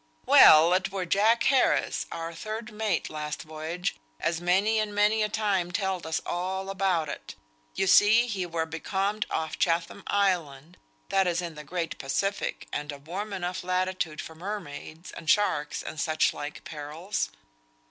"Well, it were Jack Harris, our third mate last voyage, as many and many a time telled us all about it. You see he were becalmed off Chatham Island (that's in the Great Pacific, and a warm enough latitude for mermaids, and sharks, and such like perils).